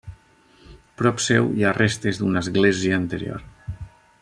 Prop seu hi ha restes d'una església anterior.